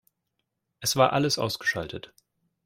Es war alles ausgeschaltet.